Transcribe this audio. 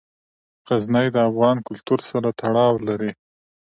غزني د افغان کلتور سره تړاو لري.